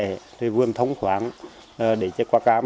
để cho cột cỏ sạch sẽ để vườn thống khoáng để cho cột cỏ sạch sẽ